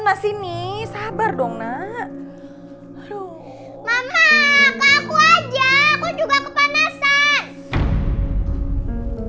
mama kak aku aja aku juga kepanasan